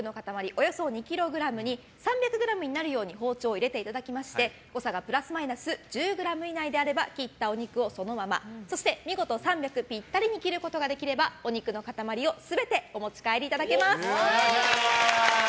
およそ２ｋｇに３００ｇになるように包丁を入れていただきまして誤差がプラスマイナス１０ｇ以内であれば切ったお肉をそのままそして見事３００ピッタリに切ることができればお肉の塊全てお持ち帰りいただけます。